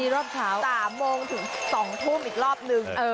ตี๒๑๐อีกรอบหนึ่ง